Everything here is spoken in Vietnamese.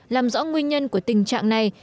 làm rõ nguyên nhân của tình trạng này